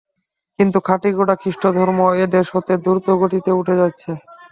কিন্তু খাঁটি গোঁড়া খ্রীষ্টধর্ম এদেশ হতে দ্রুতগতিতে উঠে যাচ্ছে।